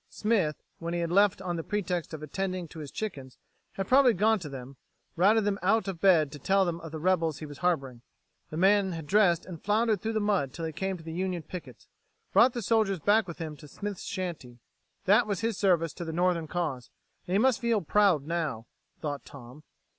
Smith, when he had left on the pretext of attending to his chickens, had probably gone to them, routed them out of bed to tell them of the rebels he was harboring. The man had dressed and floundered through the mud until he came to the Union pickets, brought the soldiers back with him to Smith's shanty. That was his service to the Northern cause, and he must feel proud now, thought Tom.